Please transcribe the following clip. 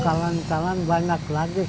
kalian kalian banyak lagi